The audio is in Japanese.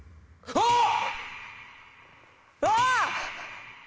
あっ！